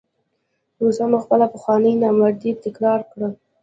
روسانو خپله پخوانۍ نامردي تکرار کړه.